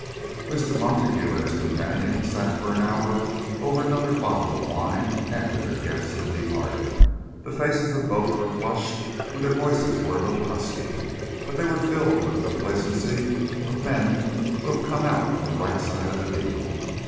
Mr. Montague and his companion sat for an hour over another bottle of wine after their guest had departed. The faces of both were flushed and their voices were a little husky, but they were filled with the complacency of men who have come out on the right side of a deal.